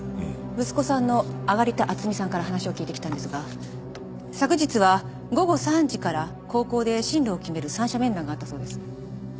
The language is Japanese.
息子さんの揚田淳美さんから話を聞いてきたんですが昨日は午後３時から高校で進路を決める三者面談があったそうです。